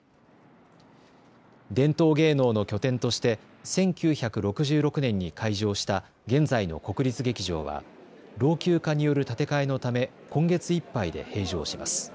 伝統芸能の拠点として１９６６年に開場した現在の国立劇場は老朽化による建て替えのため今月いっぱいで閉場します。